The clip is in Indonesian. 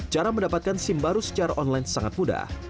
cara mendapatkan sim baru secara online sangat mudah